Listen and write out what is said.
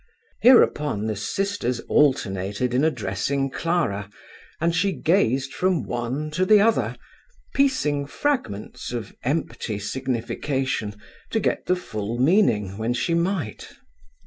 Hereupon the sisters alternated in addressing Clara, and she gazed from one to the other, piecing fragments of empty signification to get the full meaning when she might.